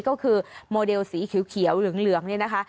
ก็คือโมเดลสีเขียวเขียวเหลืองเหลืองเนี่ยนะคะ